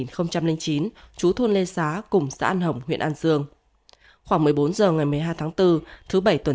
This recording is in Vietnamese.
năm hai nghìn chín trú thôn lê xá cùng xã an hồng huyện an dương khoảng một mươi bốn giờ ngày một mươi hai tháng bốn thứ bảy tuần